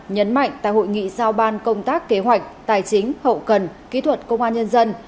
nhấn mạnh tại hội nghị sao ban công tác kế hoạch tài chính hậu cần kỹ thuật công an nhân dân